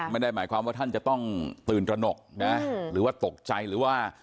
ไม่ได้หมายความว่าท่านจะต้องตื่นตระหนกนะหรือว่าตกใจหรือว่า